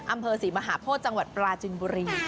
อำเภอศรีมหาโพธิจังหวัดปราจินบุรี